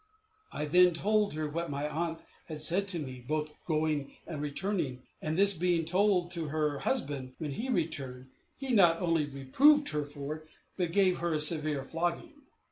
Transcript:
I then told her what my aunt had said to me, both going and returning, and this being told to her husband when he returned, he not only reproved her for it, but gave her a severe flogging.